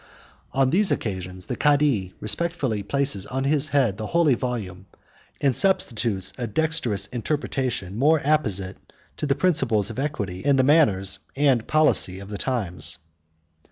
On these occasions, the Cadhi respectfully places on his head the holy volume, and substitutes a dexterous interpretation more apposite to the principles of equity, and the manners and policy of the times.